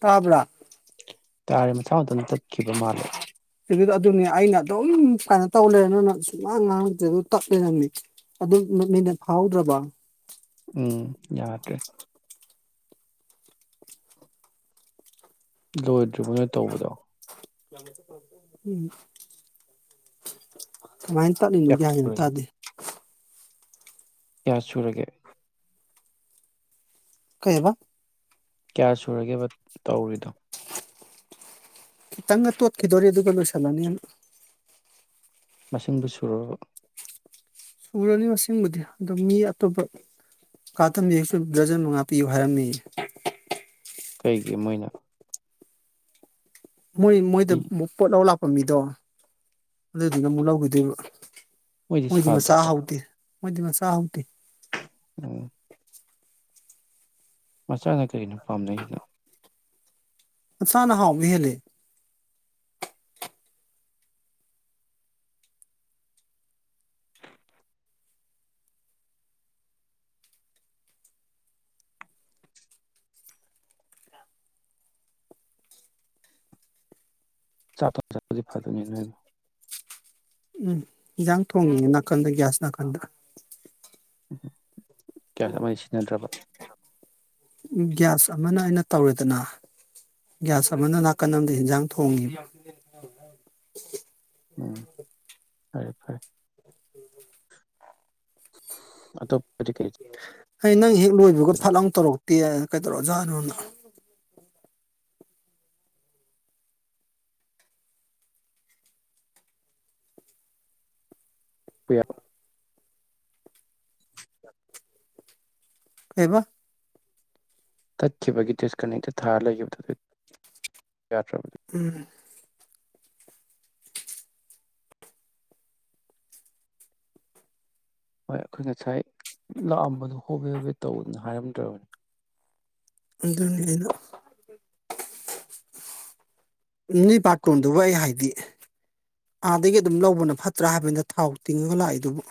ꯇꯥꯕ꯭ꯔꯥ ꯇꯥꯔꯦ ꯃꯁꯥ ꯃꯊꯟꯇ ꯆꯠꯈꯤꯕ ꯃꯥꯜꯂꯦ ꯑꯗꯨ ꯑꯗꯨꯅꯤ ꯑꯩꯅ ꯑꯗꯨꯝ ꯀꯩꯅꯣ ꯇꯧ ꯂꯩꯔꯅꯨꯅ ꯁꯨꯉꯥꯡ ꯉꯥꯡꯉꯛꯇ꯭ꯔꯦ ꯑꯗꯨ ꯇꯠꯂꯩꯔꯝꯃꯤ ꯑꯗꯨ ꯃꯤꯅꯠ ꯐꯥꯍꯧꯗ꯭ꯔꯕꯣ ꯎꯝ ꯌꯥꯗꯔꯦ ꯂꯣꯏꯗ꯭ꯔꯤꯕꯣ ꯅꯣꯏ ꯇꯧꯕꯗꯣ ꯎꯝ ꯀꯃꯥꯏꯅ ꯇꯠꯂꯤꯅꯣ ꯀꯌꯥ ꯒꯌ꯭ꯥꯟꯒ ꯁꯨꯔꯒꯦ ꯇꯥꯗꯦ ꯀꯌꯥ ꯁꯨꯔꯒꯦ ꯀꯩꯕ ꯀꯌꯥ ꯁꯨꯔꯒꯦꯕ ꯇꯧꯔꯤꯗꯣ ꯈꯤꯇꯪꯒ ꯇꯣꯠꯈꯤꯗꯣꯔꯤ ꯑꯗꯨꯒ ꯂꯣꯏꯁꯤꯜꯂꯅꯤ ꯃꯁꯤꯡꯕꯨ ꯁꯨꯔꯕ ꯁꯨꯔꯅꯤ ꯃꯁꯤꯡꯕꯨꯗꯤ ꯑꯗꯨ ꯃꯤ ꯑꯇꯣꯞꯄ [unintelligible] ꯗ꯭ꯔꯖꯟ ꯃꯉꯥ ꯄꯤꯌꯨ ꯍꯥꯏꯔꯝꯃꯦꯌꯦ ꯀꯩꯒꯤ ꯃꯣꯏꯅ ꯃꯣꯏ ꯃꯣꯏꯗ ꯏ ꯄꯣꯠ ꯂꯧ [unintelligible] ꯑꯗꯨꯗꯨꯅ ꯑꯃꯨꯛ ꯂꯧꯈꯤꯗꯣꯏꯕ ꯃꯣꯏꯗꯤ ꯃꯆꯥ ꯍꯥꯎꯗꯦ ꯃꯣꯏꯗꯤ ꯃꯆꯥ ꯍꯥꯎꯗꯦ ꯎꯝ ꯃꯆꯥꯅ ꯀꯔꯤꯅꯣ ꯄꯥꯝꯅꯩꯁꯤꯅ ꯃꯆꯥꯅꯥ ꯍꯥꯎꯕꯥ ꯍꯦꯜꯂꯦ [unintelligible] ꯎꯝ ꯌꯦꯟꯖꯥꯡ ꯊꯣꯡꯉꯤꯌꯦ ꯅꯥꯀꯟꯗ ꯒ꯭ꯌꯥꯁ ꯅꯥꯀꯟꯗ [unintelligible] ꯀꯌꯥ ꯑꯃ ꯁꯤꯖꯤꯟꯅꯗ꯭ꯔꯕ ꯒꯒ꯭ꯌꯥꯁ ꯑꯃꯅ ꯑꯩꯅ ꯇꯧꯔꯦꯗꯅ ꯒꯌꯥꯁ ꯑꯃꯅ ꯅꯥꯀꯟ ꯑꯃꯗ ꯍꯤꯟꯖꯥꯡ ꯊꯣꯡꯉꯤ ꯎꯝ ꯐꯔꯦ ꯐꯔꯦ ꯑꯇꯣꯞ ꯅꯪ ꯍꯦꯛ ꯂꯣꯏꯕꯒ ꯐꯠꯂꯥꯎ ꯇꯧꯔꯛꯇꯦ ꯀꯩꯗꯧꯔꯖꯥꯠꯅꯣꯅ [unintelligible] ꯀꯩꯕ ꯇꯠꯈꯤꯕꯒꯤ [unintelligible] [unintelligible] ꯎꯝ ꯍꯣꯏ ꯑꯈꯣꯏ ꯉꯁꯥꯏ ꯂꯥꯛꯑꯝꯕꯗꯣ ꯍꯣꯕꯦ ꯍꯣꯕꯦ ꯇꯧꯅ ꯍꯥꯏꯔꯝꯗ꯭ꯔꯕꯅꯤ ꯑꯗꯨꯅꯤ ꯑꯩꯅ ꯃꯤ ꯕꯥꯔꯇꯣꯟꯗꯨꯕꯨ ꯑꯩ ꯍꯥꯏꯗꯤ ꯑꯥꯗꯒꯤ ꯑꯗꯨꯝ ꯂꯧꯕꯅ ꯐꯠꯇ꯭ꯔꯥ ꯍꯥꯏꯕꯅꯤꯗ ꯊꯥꯎ ꯇꯤꯡꯉꯒ ꯂꯥꯛꯏꯗꯨꯕꯨ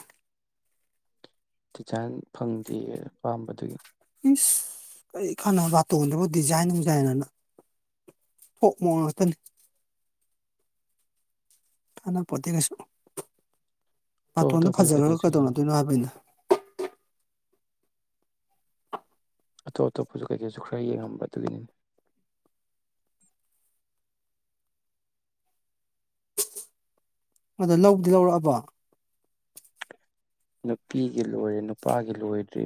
ꯗꯤꯖꯥꯏꯟ ꯐꯪꯗꯦ ꯑꯄꯥꯝꯕꯗꯨꯒꯤ ꯀꯔꯤ ꯀꯥꯟꯅꯕ ꯕꯥꯇꯣꯟꯗꯨꯕꯨ ꯗꯤꯖꯥꯏꯟ ꯅꯣꯡꯖꯥꯏꯟ ꯑꯅ ꯊꯣꯛ ꯃꯣꯛ ꯉꯥꯛꯇꯅꯤ ꯀꯅꯥꯄꯣꯇꯦ ꯀꯩꯁꯨ ꯑꯇꯣꯞ ꯕꯥꯇꯣꯟꯗꯣ ꯑꯇꯣꯞꯄꯁꯨ ꯐꯖꯈ꯭ꯔꯒ ꯀꯩꯀꯩꯁꯨ ꯌꯦꯡꯉꯤ ꯀꯩꯗꯧꯅꯗꯣꯏꯅꯣ ꯍꯥꯏꯕꯅꯤꯗ꯫ ꯑꯇꯣꯞ ꯑꯇꯣꯞꯄꯁꯨ ꯀꯩꯀꯩꯁꯨ ꯈꯔ ꯌꯦꯡꯉꯝꯕ ꯑꯗꯨꯒꯤꯅꯤꯅꯦ꯫ ꯑꯗꯣ ꯂꯧꯕꯗꯤ ꯂꯧꯔꯛꯑꯕꯣ꯫ ꯅꯨꯄꯤꯒꯤ ꯂꯣꯏꯔꯦ ꯅꯨꯄꯥꯒꯤ ꯂꯣꯏꯗ꯭ꯔꯤ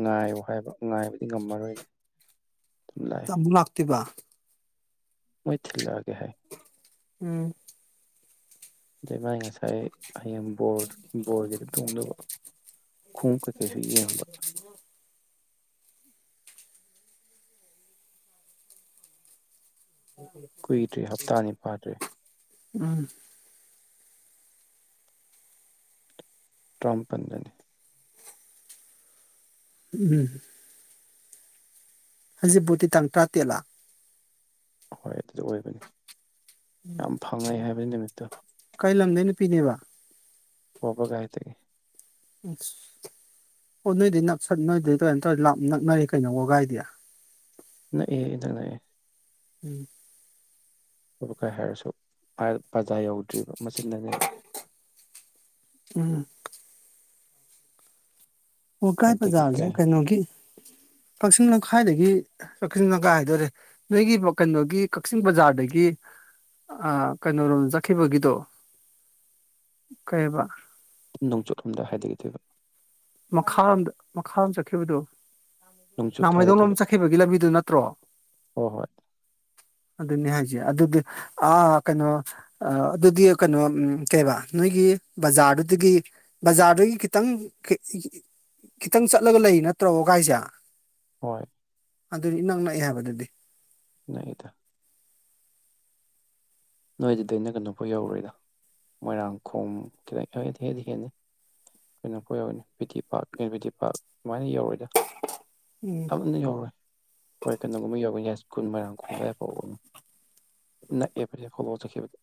ꯉꯥꯏꯌꯣ ꯍꯥꯏꯕ ꯉꯥꯏꯕꯗꯤ ꯉꯝꯃꯔꯣꯏ꯫ ꯗꯨꯗ ꯑꯃꯨꯛ ꯂꯥꯛꯇꯣꯏꯕ꯫ ꯃꯣꯏ ꯊꯤꯜꯂꯛꯑꯒꯦ ꯍꯥꯏ꯫ ꯎꯝ꯫ [unintelligible] ꯉꯁꯥꯏ ꯍꯌꯦꯡ ꯕꯣꯔ ꯕꯣꯔꯒꯤꯗ ꯇꯣꯡꯗꯧꯕ ꯈꯣꯡꯉꯨꯞ ꯀꯩꯀꯩꯁꯨ ꯌꯦꯡꯕ꯫ ꯀꯨꯏꯗ꯭ꯔꯤ ꯍꯞꯇꯥ ꯑꯅꯤ ꯐꯥꯗ꯭ꯔꯤ꯫ ꯎꯝ꯫ ꯇ꯭ꯔꯥꯝꯄꯟꯗꯅꯦ꯫ ꯎꯃ꯫ ꯍꯩꯖꯤꯕꯨꯨꯠꯇꯤ ꯇꯥꯡ ꯇ꯭ꯔꯥꯇꯦꯠꯂꯥ꯫ ꯍꯣꯏ ꯑꯗꯨꯗ ꯑꯣꯏꯕꯅꯦ꯫ ꯐꯥꯡꯉꯩ ꯍꯥꯏꯕꯅꯦ ꯅꯨꯃꯤꯠꯇꯨ꯫ ꯀꯩ ꯂꯝꯗꯩ ꯅꯨꯄꯤꯅꯦꯕ꯫ ꯋꯥꯕꯥꯒꯥꯏꯗꯒꯤ ꯎꯁ ꯑꯣ ꯅꯣꯏꯗꯤ ꯅꯛꯁꯟ ꯅꯣꯏꯗꯩꯗꯤ ꯀꯩꯅꯣꯇꯧꯔꯗꯤ ꯂꯥꯞ ꯅꯛꯅꯔꯦ ꯀꯩꯅꯣ ꯋꯥꯒꯥꯏꯗꯤ꯫ ꯅꯛꯑꯦ ꯏꯅꯛ ꯅꯛꯑꯦ꯫ ꯎꯝ꯫ [unintelligible] ꯍꯥꯏꯔꯁꯨ [unintelligible] ꯕꯖꯥ ꯌꯧꯗ꯭ꯔꯤꯕ꯫ ꯃꯆꯤꯟꯗꯅꯦꯕ꯫ ꯎꯝ꯫ ꯋꯥꯒꯥꯏ ꯑꯗꯒꯤ ꯕꯖꯥꯔꯖꯦ ꯀꯩ ꯀꯩꯅꯣꯒꯤ꯫ ꯀꯛꯆꯤꯡ ꯂꯝꯈꯥꯏꯗꯒꯤ ꯀꯛꯆꯤꯡ ꯂꯝꯈꯥꯏ ꯍꯥꯏꯗꯣꯏꯔꯦ ꯅꯣꯏꯒꯤ ꯀꯩꯅꯣꯒꯤ ꯀꯛꯆꯤꯡ ꯕꯖꯥꯔꯗꯒꯤ ꯑ ꯀꯩꯅꯣꯔꯣꯝꯗ ꯆꯠꯈꯤꯕꯒꯤꯗꯣ ꯀꯩꯕ꯫ ꯅꯣꯡꯆꯨꯞꯂꯣꯝꯗ ꯍꯥꯏꯗꯒꯤꯗꯣꯏꯕ꯫ ꯃꯈꯥ ꯔꯣꯝꯗ ꯃꯈꯥ ꯔꯣꯝ ꯆꯠꯈꯤꯕꯗꯨ꯫ ꯅꯣꯡꯆꯨꯞꯇ ꯂꯥꯃꯩꯗꯣꯡꯂꯣꯝ ꯍꯥꯏꯊꯗꯣꯏꯕ ꯆꯠꯈꯤꯗꯨꯕꯒꯤ ꯂꯝꯕꯤꯗꯨ ꯅꯠꯇ꯭ꯔꯣ ꯍꯣꯏ ꯍꯣꯏ ꯑꯗꯨꯅꯤ ꯍꯥꯏ ꯑꯗꯨꯗꯤ ꯑꯥ- ꯀꯩꯅꯣ ꯑ-ꯑꯗꯨꯗꯤ ꯀꯩꯅꯣ ꯀꯩꯕꯥ ꯅꯣꯏꯒꯤ ꯕꯖꯥꯔꯗꯨꯗꯒꯤ ꯕꯖꯥꯔꯗꯨꯗꯒꯤ ꯈꯤꯇꯪ ꯈꯤꯇꯪ ꯆꯠꯂꯒ ꯂꯩ ꯅꯠꯇ꯭ꯔꯣ ꯋꯥꯒꯥꯏꯖꯦ꯫ ꯍꯣꯏ ꯑꯗꯨꯗꯤ ꯏꯅꯛ ꯅꯛꯑꯥ ꯑꯩꯅ ꯍꯥꯏꯕꯗꯨꯗꯤ ꯅꯛꯏꯗ꯫ ꯑꯗꯨꯗꯩꯅ ꯀꯩꯅꯣꯐꯥꯎ ꯌꯧꯔꯣꯏꯗ ꯃꯣꯏꯔꯥꯡꯈꯣꯝ ꯈꯤꯇꯪ [unintelligible] ꯍꯦꯟꯗꯤ ꯍꯦꯅꯤ ꯀꯩꯅꯣꯐꯥꯎ ꯌꯧꯅꯤ ꯕꯤ ꯇꯤ ꯄꯥꯛ ꯑ-ꯕꯤ ꯇꯤ ꯄꯥꯔꯛ ꯑꯗꯨꯃꯥꯏ ꯌꯧꯔꯣꯏꯗ꯫ [unintelligible] ꯌꯧꯔꯣꯏ ꯍꯣꯏ ꯀꯩꯅꯣꯒꯨꯝꯕ ꯌꯧꯕ ꯌꯥꯏ꯭ꯁꯀꯨꯟ ꯃꯔꯣꯏꯥꯡꯗꯣꯝ ꯑꯗꯨꯋꯥꯏ ꯐꯥꯎꯕ ꯅꯛꯑꯦ꯫ [unintelligible] ꯆꯈꯤꯕꯗ꯫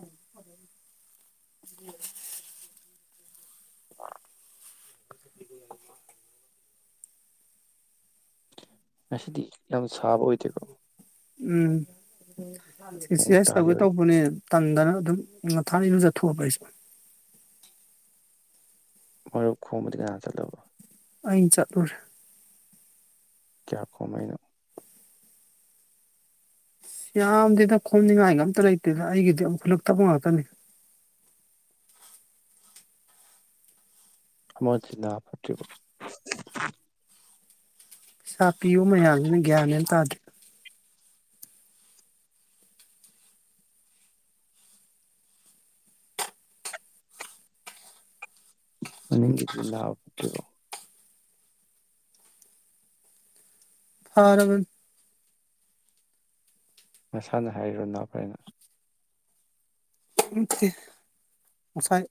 [inaudible] [inaudible] ꯉꯁꯗꯤ ꯌꯥꯝ ꯁꯥꯕ ꯑꯣꯏꯗꯦꯀꯣ ꯎꯝ ꯅꯣꯡ ꯑꯦꯛꯁꯔꯁꯥꯏꯁ ꯇꯧꯒꯦ ꯇꯥꯈꯤꯕꯒꯤ ꯇꯧꯕꯅꯦ ꯇꯟꯗꯅ ꯑꯗꯨꯝ [unintelligible] ꯃꯔꯨꯞ ꯈꯣꯡꯕꯗꯤ ꯀꯥꯏ ꯆꯠꯂꯕ ꯑꯩ ꯆꯠꯂꯨꯔꯦ ꯀꯌꯥ ꯈꯣꯝ ꯃꯩꯅꯣ ꯌꯥꯝꯗꯦꯅ ꯈꯣꯝꯅꯤꯉꯥꯏꯒ ꯑꯝꯇ ꯂꯩꯇꯦꯗ ꯑꯩꯒꯤꯗꯤ ꯑꯃꯨꯛꯈꯠꯂꯛꯇꯕ ꯉꯥꯛꯇꯅꯤ ꯑꯃ ꯗꯤꯅꯥ ꯐꯠꯇ꯭ꯔꯤꯕꯣ ꯄꯩꯁꯥ ꯄꯤꯌꯨ ꯃꯌꯥꯝꯁꯤꯅ ꯒ꯭ꯌꯥꯟ ꯃꯦꯟ ꯇꯥꯗ꯭ꯔꯦ [unintelligible] ꯐꯔꯕꯅꯤ ꯃꯁꯥꯅ ꯍꯥꯏꯔꯣ ꯅꯥ ꯐꯔꯦꯅ ꯇꯦ ꯉꯁꯥꯏ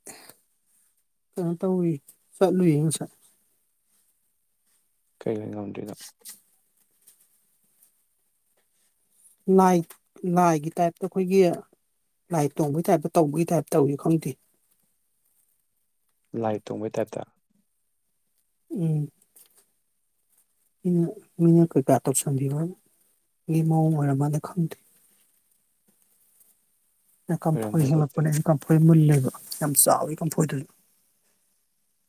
ꯀꯩꯅꯣ ꯇꯧꯏ ꯆꯠꯂꯨꯏ ꯉꯁꯥꯏ ꯀꯩ ꯂꯩꯩ ꯉꯝꯗ꯭ꯔꯤꯅꯣ ꯂꯥꯏ ꯂꯥꯏꯒꯤ ꯇꯥꯏꯞꯇ ꯑꯩꯈꯣꯏꯒꯤ ꯂꯥꯏ ꯇꯣꯡꯕꯒꯤ ꯇꯥꯏꯞꯇ ꯇꯧꯕꯒꯤ ꯇꯥꯏꯞꯇ ꯇꯧꯏ ꯈꯪꯗꯦ ꯂꯥꯏ ꯇꯣꯡꯕꯩ ꯇꯥꯏꯞꯇ ꯎꯝ ꯃꯤ ꯃꯤꯅ ꯀꯩꯀꯥ ꯇꯧꯁꯟꯕꯤꯕ ꯃꯤ ꯃꯑꯣꯡ ꯑꯣꯏꯔ ꯃꯥꯜꯂꯦ ꯈꯪꯗꯦ [unintelligible] ꯀꯝ ꯐꯣꯏ ꯑꯣꯏꯔꯝꯃꯣꯏ ꯑꯗꯨꯗꯤ ꯍꯦꯜꯂꯛꯄꯅꯤ ꯀꯝꯐꯣꯏ ꯃꯨꯜꯂꯦꯕ ꯌꯥꯝ ꯆꯥꯎꯋꯤ ꯀꯥꯝꯐꯣꯏꯗꯨ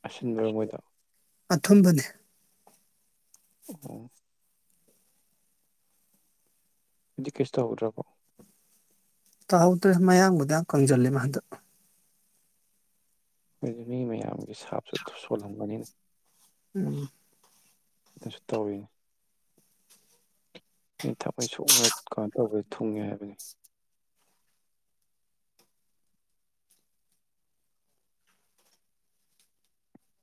ꯑꯁꯤꯟꯕꯔꯣ ꯃꯣꯏꯗꯣ ꯑꯊꯨꯝꯕꯅꯦ ꯑꯣ ꯑꯗꯤ ꯀꯦꯁꯨ ꯇꯧꯍꯧꯗ꯭ꯔꯕꯣ ꯇꯧꯍꯧꯗ꯭ꯔꯦ ꯃꯌꯥꯝꯕꯨꯗꯤ ꯌꯥꯝ ꯀꯪꯖꯜꯂꯦ ꯃꯥꯗꯣ [unintelligible] ꯃꯤꯃꯌꯥꯝ ꯑꯩ ꯁꯥꯁꯨ ꯊꯨꯞ ꯁꯣꯂꯂꯝꯅꯤꯅ ꯎꯝ [unintelligible] ꯇꯧꯔꯤꯅꯦ ꯃꯤ ꯊꯛꯃꯩ ꯁꯣꯛꯅ [unintelligible] ꯊꯨꯡꯉꯦ ꯍꯥꯏꯕꯅꯤ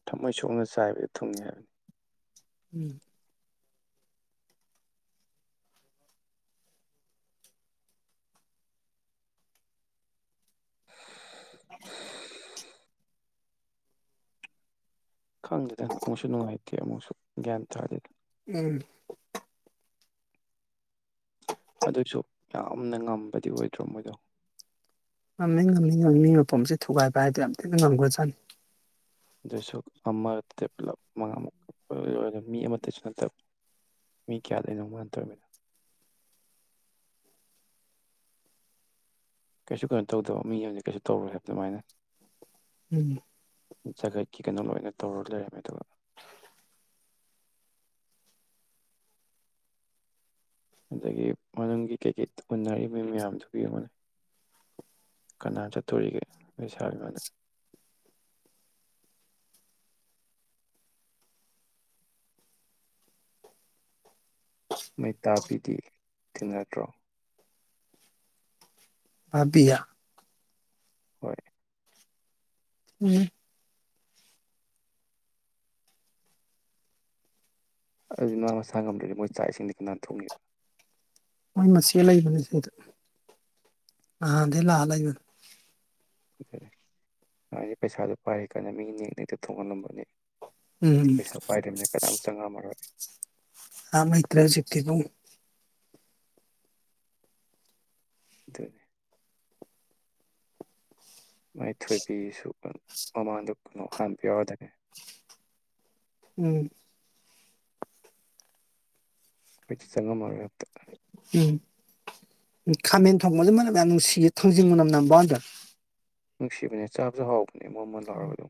ꯊꯃꯣꯏ ꯁꯣꯛꯅ ꯆꯥꯏꯕꯗ ꯊꯨꯡꯉꯤ ꯍꯥꯏꯕꯅꯤ ꯎꯝ ꯈꯪꯗꯦꯗꯅ ꯑꯃꯨꯛꯁꯨ ꯅꯨꯡꯉꯥꯏꯇꯦ ꯑꯃꯨꯛꯁꯨ ꯒ꯭ꯌꯥꯟ ꯇꯥꯗꯦ ꯎꯝ ꯑꯗꯨꯁꯨ ꯌꯥꯝꯅ ꯉꯝꯕꯗꯤ ꯑꯣꯏꯗ꯭ꯔꯣ ꯃꯣꯏꯗꯣ ꯉꯝꯅꯤ ꯉꯝꯅꯤ ꯉꯝꯃꯤ ꯃꯤ ꯃꯄꯣꯁꯦ ꯊꯨꯒꯥꯏꯕ ꯍꯥꯏꯗꯣ ꯌꯥꯝ ꯊꯤꯅ ꯉꯝꯈ꯭ꯔꯖꯥꯠꯅꯤ ꯑꯗꯨꯁꯨ ꯑꯃ ꯄꯨꯂꯞ ꯃꯉꯥꯃꯨꯛ [unintelligible] ꯃꯤ ꯑꯃꯠꯇꯁꯨ ꯅꯠꯇꯕ ꯃꯤ ꯀꯌꯥꯗꯩꯅꯣ ꯃꯣꯏ ꯇꯧꯃꯤꯅ ꯀꯩꯁꯨ ꯀꯩꯅꯣ ꯇꯧꯗꯕ ꯃꯤ ꯑꯃ ꯀꯩꯁꯨ ꯇꯧꯔꯣꯏ ꯍꯥꯏꯕ ꯑꯗꯨꯃꯥꯏꯅ ꯎꯝ ꯖꯒꯠꯀꯤ ꯀꯩꯅꯣ ꯂꯣꯏꯅ ꯇꯧꯔ ꯂꯩꯔꯝꯃꯦ ꯑꯗꯨꯒ ꯑꯗꯒꯤ ꯃꯅꯨꯡꯒꯤ ꯀꯩꯀꯩ ꯎꯟꯅꯔꯤꯕ ꯃꯤ ꯃꯌꯥꯝꯗꯨꯕꯨ ꯌꯦꯡꯉꯣꯅꯤ ꯀꯅꯥ ꯆꯠꯇꯣꯔꯤꯒꯦ ꯂꯩꯁꯥꯕꯤ ꯃꯥꯅ ꯃꯩꯇꯥꯥ ꯕꯤꯗꯤ ꯊꯦꯡꯅꯗ꯭ꯔꯣ ꯥꯕꯤꯌꯥ ꯍꯣꯏ ꯎꯝ ꯑꯗꯨꯗꯤ ꯃꯥ ꯃꯁꯥ ꯉꯝꯗ꯭ꯔꯗꯤ ꯃꯣꯏ ꯆꯥꯛ ꯏꯁꯤꯡꯗꯤ ꯀꯅꯥ ꯊꯣꯡꯏ ꯃꯣꯏ ꯃꯆꯦ ꯂꯩꯕꯅꯦ ꯁꯤꯗ ꯅꯥꯍꯥꯟꯗꯩ ꯂꯥꯛꯑ ꯂꯩꯕꯅꯤ ꯑꯗꯨ ꯃꯥꯗꯤ ꯄꯩꯁꯥꯗꯣ ꯄꯥꯏꯔꯤ ꯀꯥꯟꯅ ꯃꯤ ꯅꯦꯛꯅꯦꯛꯇ ꯊꯣꯡꯍꯜꯂꯝꯕꯅꯦ ꯎꯝ ꯄꯩꯁꯥ ꯄꯥꯏꯗꯃꯤꯅ ꯀꯗꯥꯝ ꯆꯪꯉꯝꯃꯔꯣꯏ [inaudible] ꯑꯗꯨꯅꯤ ꯃꯥꯏꯊꯣꯏꯕꯤꯁꯨ ꯀꯣ ꯃꯃꯥꯡꯗ ꯀꯅꯣ ꯍꯥꯟꯕ ꯌꯥꯎꯔꯗꯅꯤ ꯎꯝ ꯑꯩꯗꯤ ꯆꯪꯉꯝ ꯃꯥꯔꯦ ꯎꯝ ꯎꯝ ꯈꯥꯃꯦꯟ ꯊꯣꯡꯕꯁꯦ ꯃꯅꯝ ꯌꯥꯝ ꯅꯨꯡꯁꯤꯌꯦ ꯊꯥꯡꯖꯤꯡ ꯃꯅꯝ ꯅꯝꯕꯅꯤꯗ ꯅꯨꯡꯁꯤꯕꯅꯦ ꯆꯥꯕꯁꯨ ꯍꯥꯎꯕ ꯑ ꯃꯣꯟꯃꯣꯟ ꯂꯥꯎꯔꯒ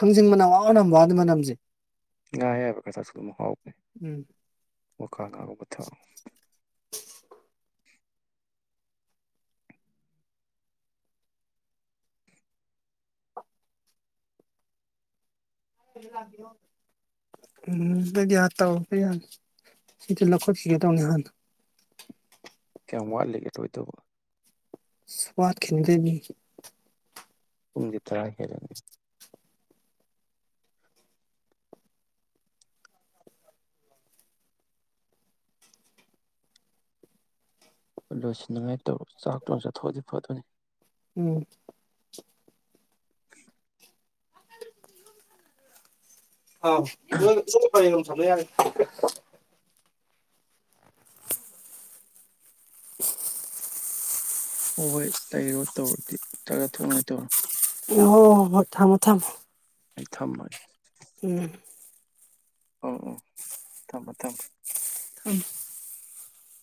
ꯊꯥꯡꯖꯟ ꯃꯅꯝ ꯋꯥ ꯅꯝ ꯋꯥ ꯑꯗꯨ ꯃꯅꯝꯁꯦ ꯉ ꯑꯌꯥꯏꯕ ꯀꯁꯜꯂꯨ ꯍꯥꯎꯕꯅꯦ ꯎꯝ ꯑꯣꯀ ꯀꯥꯕꯨ ꯀꯊꯥ ꯎꯝ ꯑꯗꯨꯗꯤ ꯇꯧ ꯁꯤꯁꯨ ꯂꯧꯈꯠꯈꯤꯒꯦ ꯇꯧꯅꯦ ꯍꯥꯟꯅ ꯀꯌꯥꯝ ꯋꯥꯠꯂꯤꯒꯦ ꯂꯣꯏꯗꯧꯕ ꯁ ꯋꯥꯠꯈꯤꯅꯤꯗ ꯑꯩ ꯄꯨꯪꯗꯤ ꯇꯔꯥ ꯍꯦꯜꯂꯦ ꯂꯣꯏꯁꯤꯟꯅꯅꯤꯉꯥꯏ ꯇꯧꯔꯤ ꯆꯥꯛꯇꯣ ꯍꯟꯅꯥ ꯆꯠꯊꯣꯛꯑꯗꯤ ꯐꯥꯗꯧꯅꯤ ꯎꯝ [inaudible] [inaudible] [inaudible] ꯍꯣꯏ ꯍꯣꯏ ꯂꯩꯔꯣ ꯇꯧꯔꯗꯤ ꯆꯥ ꯊꯣꯡꯅꯥꯏ ꯇꯧꯔꯣ ꯑꯣ ꯍ ꯊꯝꯃꯣ ꯊꯃꯣ ꯑꯩ ꯊꯝꯃꯒꯦ ꯎꯝ ꯎ ꯎ ꯊꯝꯃꯣ ꯊꯝꯃꯣ ꯎꯝ